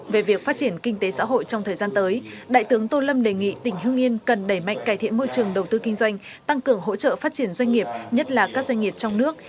về việc phát triển kinh tế xã hội trong thời gian tới đại tướng tô lâm đề nghị tỉnh hưng yên cần đẩy mạnh cải thiện môi trường đầu tư kinh doanh tăng cường hỗ trợ phát triển doanh nghiệp nhất là các doanh nghiệp trong nước